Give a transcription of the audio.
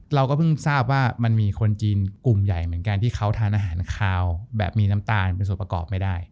เราก็เพิ่งทราบว่ามันมีคนจีนกลุ่มใหญ่เหมือนกันที่เขาทานอาหารคาวแบบมีน้ำตาลเป็นส่วนประกอบไม่ได้